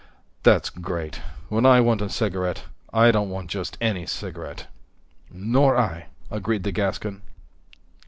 "That's great. When I want a cigarette, I don't want just any cigarette." "Nor I," agreed the Gascon.